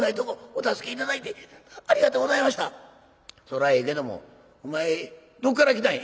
「そらええけどもお前どっから来たんや？」。